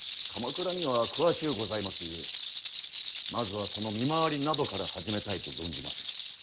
鎌倉には詳しゅうございますゆえまずはその見回りなどから始めたいと存じますが。